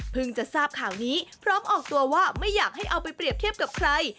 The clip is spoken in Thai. จะทราบข่าวนี้พร้อมออกตัวว่าไม่อยากให้เอาไปเปรียบเทียบกับใคร